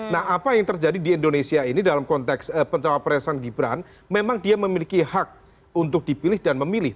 nah apa yang terjadi di indonesia ini dalam konteks pencawa presiden gibran memang dia memiliki hak untuk dipilih dan memilih